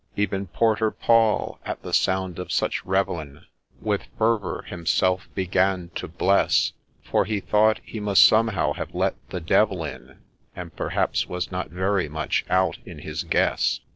Even Porter Paul, at the sound of such revelling, With fervour himself began to bless ; For he thought he must somehow have let the Devil in, — And perhaps was not very much out in his guess.